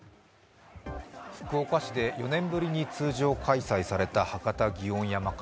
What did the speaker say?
福岡市で４年ぶりに通常開催された博多祇園山笠。